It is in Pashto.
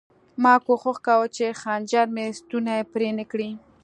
ما کوښښ کاوه چې خنجر مې ستونی پرې نه کړي